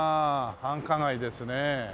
繁華街ですね。